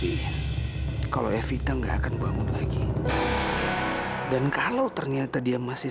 ini memang acara kalau pakai misteri itu boleh masuk